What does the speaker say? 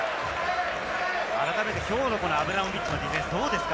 改めて、きょうのアブラモビッチのディフェンス、どうですか？